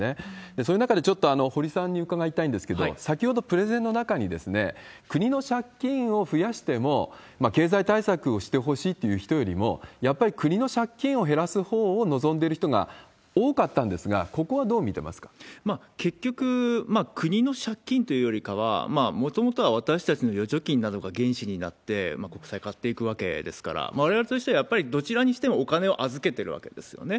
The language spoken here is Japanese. その中でちょっと堀さんに伺いたいんですけど、先ほど、プレゼンの中に、国の借金を増やしても経済対策をしてほしいって人よりも、やっぱり国の借金を減らすほうを望んでいる人が多かったんですが、結局、国の借金というよりかは、もともとは私たちの預貯金などが原資になって国債買っていくわけですから、われわれとしてはやっぱりどちらにしてもお金を預けてるわけですよね。